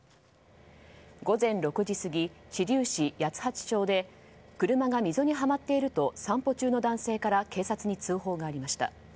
午前６時過ぎ、知立市八橋町で車が溝にはまっていると散歩中の男性から警察に通報がありました。